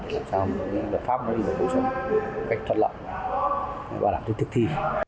làm sao lập pháp có thể giúp chúng ta có cách thoát lợn và làm thức thi